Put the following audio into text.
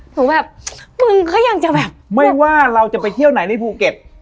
หนูแบบมึงก็ยังจะแบบไม่ว่าเราจะไปเที่ยวไหนในภูเก็ต